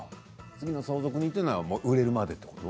次の相続人というのは売れるまでということ？